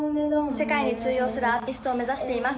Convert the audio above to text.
世界に通用するアーティストを目指しています。